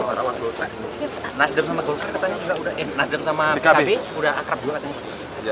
nasdar sama golkar katanya udah eh nasdar sama bkb udah akrab juga katanya